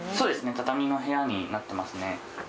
畳の部屋になっていますね。